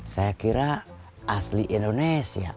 saya kira asli indonesia